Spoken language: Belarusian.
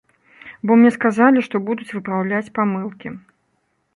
Бо мне сказалі, што будуць выпраўляць памылкі.